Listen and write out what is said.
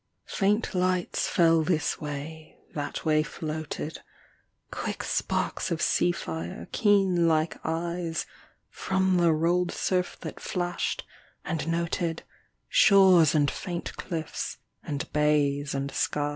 Faint lights fell this way, that way floated, Quick sparks of sea fire keen like eyes From the rolled surf that flashed, and noted Shores and faint clifls and bays and skies.